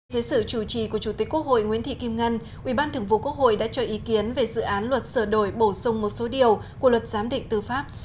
dưới sự chủ trì của chủ tịch quốc hội nguyễn thị kim ngân ubthqh đã cho ý kiến về dự án luật sửa đổi bổ sung một số điều của luật giám định tư pháp